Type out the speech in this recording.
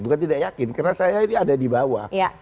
bukan tidak yakin karena saya ini ada di bawah